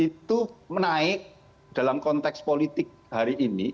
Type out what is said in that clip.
itu menaik dalam konteks politik hari ini